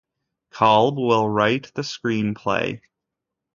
Kalb will write the screenplay.